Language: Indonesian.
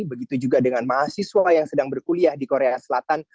begitu juga dengan mahasiswa yang sedang berkuliah di korea selatan